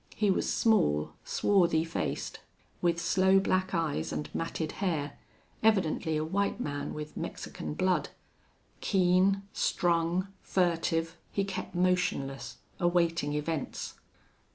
He was small, swarthy faced, with sloe black eyes and matted hair, evidently a white man with Mexican blood. Keen, strung, furtive, he kept motionless, awaiting events.